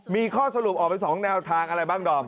มีข้อสรุปออกไป๒แนวทางอะไรบ้างดอม